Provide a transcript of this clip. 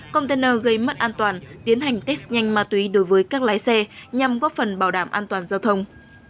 container gây mất an toàn tiến hành test nhanh ma túy đối với các lái xe nhằm góp phần bảo đảm an toàn giao thông